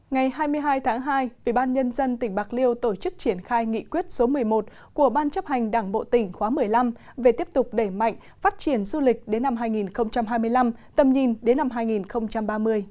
ngày hai mươi hai tháng hai ubnd tỉnh bạc liêu tổ chức triển khai nghị quyết số một mươi một của ban chấp hành đảng bộ tỉnh khóa một mươi năm về tiếp tục đẩy mạnh phát triển du lịch đến năm hai nghìn hai mươi năm tầm nhìn đến năm hai nghìn ba mươi